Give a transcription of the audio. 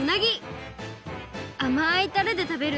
あまいタレでたべる